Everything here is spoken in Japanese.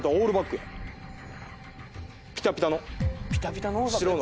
ピタピタの白の。